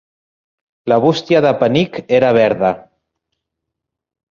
La bústia de penic era verda.